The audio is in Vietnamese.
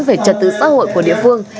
về trật tự xã hội của địa phương